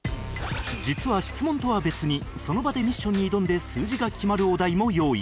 実は質問とは別にその場でミッションに挑んで数字が決まるお題も用意